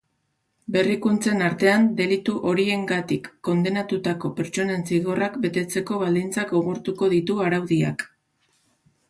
Berrikuntzen artean, delitu horiengatik kondenatutako pertsonen zigorrak betetzeko baldintzak gogortuko ditu araudiak.